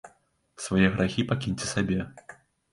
Свае грахі пакіньце сабе.